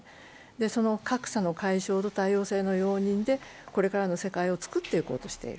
その格差の解消と多様性の容認でこれからの世界を作っていこうとしている。